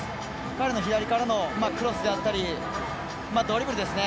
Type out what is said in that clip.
彼の左からのクロスであったりドリブルですよね